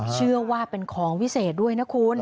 เชื่อว่าเป็นของวิเศษด้วยนะคุณ